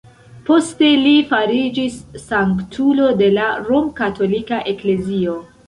Poste li fariĝis sanktulo de la rom-katolika Eklezio.